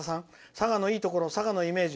佐賀のいいところ佐賀のイメージ